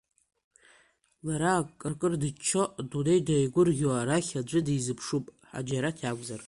Лара акыркыр дыччо, адунеи деигәырӷьо арахь аӡәы дизыԥшуп, Ҳаџьараҭ иакәзар…